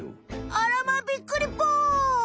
あらまびっくりぽん！